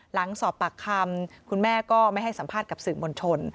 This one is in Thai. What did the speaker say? หลังสอบปากคำคุณแม่ก็ไม่ให้สัมภาษณ์กับสื่อมวลชน